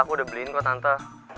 aku udah beliin kok tante